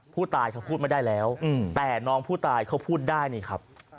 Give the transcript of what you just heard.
ผู้ตายเขาพูดไม่ได้แล้วแต่น้องผู้ตายเขาพูดได้นี่ครับ